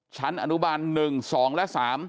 ชั้นอนุบัน๑๒และ๓